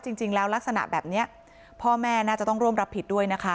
จริงแล้วลักษณะแบบนี้พ่อแม่น่าจะต้องร่วมรับผิดด้วยนะคะ